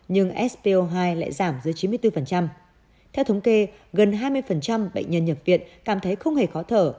nhưng so hai lại giảm dưới chín mươi bốn theo thống kê gần hai mươi bệnh nhân nhập viện cảm thấy không hề khó thở